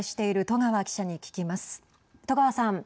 戸川さん。